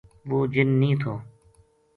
وہ جن نیہہ تھو